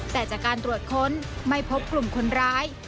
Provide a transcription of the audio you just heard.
แต่จากการตรวจค้นไม่พบกลุ่มคนร้าย